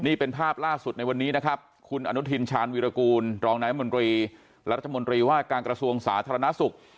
นี่เป็นภาพล่าสุดในวันนี้นะครับคุณอนุทินชาญวิรากูลรองนายมนตรีรัฐมนตรีว่าการกระทรวงสาธารณสุข